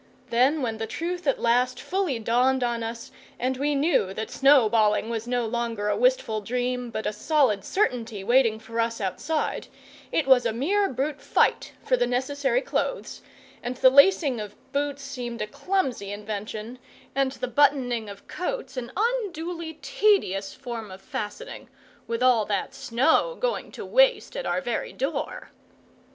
Then, when the truth at last fully dawned on us and we knew that snow balling was no longer a wistful dream, but a solid certainty waiting for us outside, it was a mere brute fight for the necessary clothes, and the lacing of boots seemed a clumsy invention, and the buttoning of coats an unduly tedious form of fastening, with all that snow going to waste at our very door.